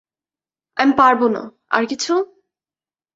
আমি পারব না, আর কিছু?